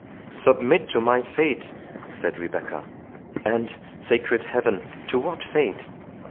"Submit to my fate!" said Rebecca—"and, sacred Heaven! to what fate?